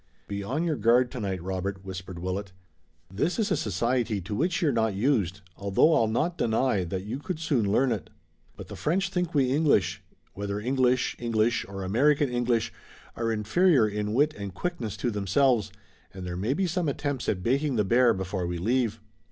"Be on your guard tonight, Robert," whispered Willet. "This is a society to which you're not used, although I'll not deny that you could soon learn it. But the French think we English, whether English English or American English, are inferior in wit and quickness to themselves, and there may be some attempts at baiting the bear before we leave."